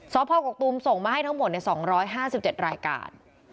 สพกกตูมส่งมาให้ทั้งหมด๒๕๗รายการ